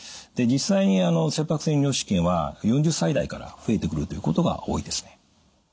実際に切迫性尿失禁は４０歳代から増えてくるということが多いですね。